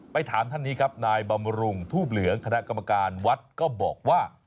ถามท่านนี้ครับนายบำรุงทูบเหลืองคณะกรรมการวัดก็บอกว่า